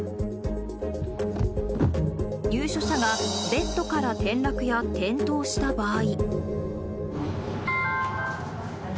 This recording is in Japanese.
入所者がベッドから転落や転倒した場合。